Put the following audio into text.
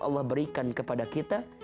allah berikan kepada kita